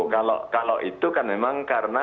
kalau itu kan memang karena